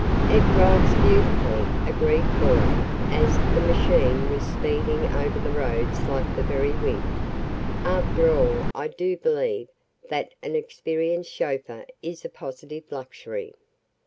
"It rides beautifully," agreed Cora, as the machine was speeding over the roads like the very wind. "After all, I do believe that an experienced chauffeur is a positive luxury."